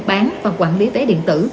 bán và quản lý vé điện tử